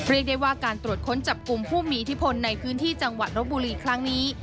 เรียกได้ว่าการตรวจค้นจับกลุ่มผู้มีอิทธิพลในพื้นที่จังหวัดลบบุรีครั้งนี้